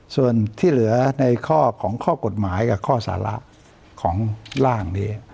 ส่วนที่เหลือในข้อของข้อกฎหมายกับข้อสาระของร่างนี้